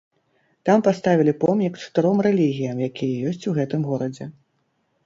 Там паставілі помнік чатыром рэлігіям, якія ёсць у гэтым горадзе.